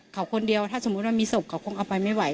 เขาคนเดียวถ้าสมมุติว่ามีศพเขาคงเอาไปไม่ไหว